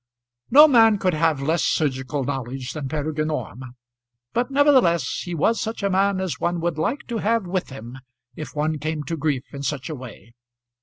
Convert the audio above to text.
] No man could have less surgical knowledge than Peregrine Orme, but nevertheless he was such a man as one would like to have with him if one came to grief in such a way.